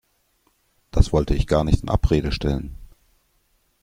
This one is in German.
Das wollte ich gar nicht in Abrede stellen.